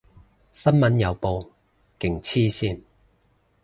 新聞有報，勁黐線